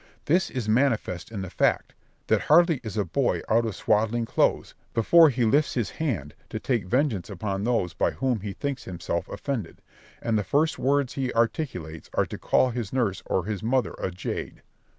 This is manifest in the fact, that hardly is a boy out of swaddling clothes before he lifts his hand to take vengeance upon those by whom he thinks himself offended; and the first words he articulates are to call his nurse or his mother a jade.